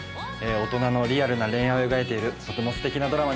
大人のリアルな恋愛を描いているとてもすてきなドラマになってます。